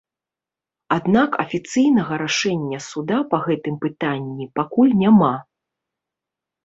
Аднак афіцыйнага рашэння суда па гэтым пытанні пакуль няма.